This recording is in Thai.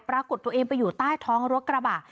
ปรากฏตัวเองไปอยู่ใต้ท้องรถกระบะ